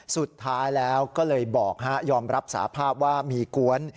สุดท้ายแล้วก็เลยบอกฮะยอมรับสาภาพว่ามีกวน